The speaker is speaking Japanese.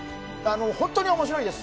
本当に面白いです。